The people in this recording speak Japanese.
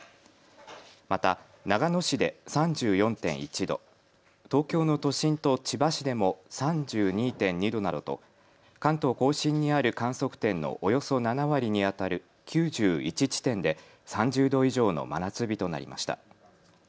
また長野市で３４．１度、東京の都心と千葉市でも３２．２度などと関東甲信にある観測点のおよそ７割にあたる９１地点で３０度以上の真夏日となりました。